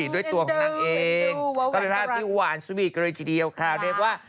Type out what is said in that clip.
ด้วยตัวของนางเองก็เลยพาพี่หวานสวีทกระจิดเดียวค่ะเรียกว่า